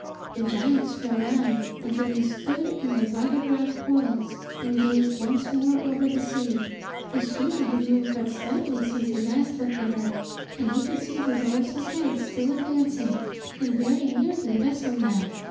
The giant strode on, until he stood in the rugged rock portals and gazed once more over the sea. The schooner had moved but slightly since he last looked at her; he could see Dolores's head still advancing, and very near to the vessel now.